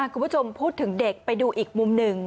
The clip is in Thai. คุณผู้ชมพูดถึงเด็กไปดูอีกมุมหนึ่ง